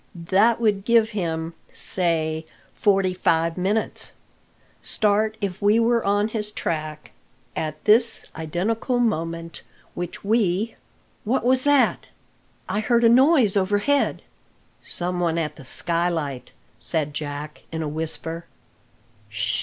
That would give him, say, forty five minutes' start if we were on his track at this identical moment, which we What was that? I heard a noise overhead." "Some one at the skylight," said Jack in a whisper.